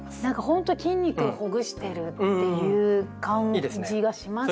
ほんとに筋肉をほぐしてるっていう感じがしますね。